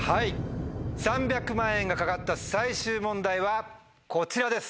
３００万円が懸かった最終問題はこちらです。